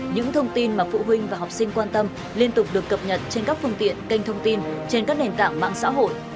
những thông tin mà phụ huynh và học sinh quan tâm liên tục được cập nhật trên các phương tiện kênh thông tin trên các nền tảng mạng xã hội